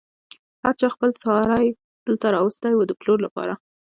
هر چا خپل څاری دلته راوستی و د پلور لپاره.